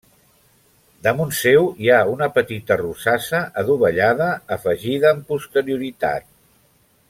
Damunt seu hi ha una petita rosassa adovellada afegida amb posterioritat.